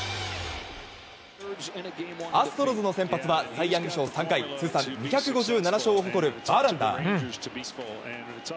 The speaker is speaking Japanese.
アストロズの先発はサイ・ヤング賞３回通算２５７勝を誇るバーランダー。